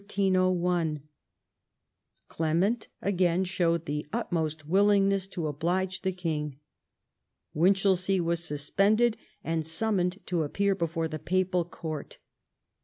Clement again showed the utmost willingness to oblige the king. Winchelsea was suspended and summoned to appear before the papal court.